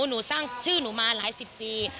หนูสร้างชื่อหนูมาหลายสิบปี